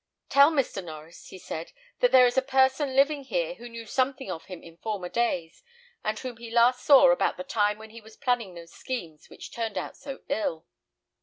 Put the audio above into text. "Tell Mr. Norries," he said, "that there is a person living here who knew something of him in former days, and whom he last saw about the time when he was planning those schemes which turned out so ill."